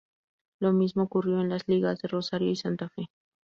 Lo mismo ocurrió en las ligas de Rosario y Santa Fe.